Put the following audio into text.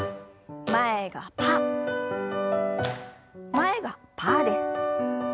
前がパーです。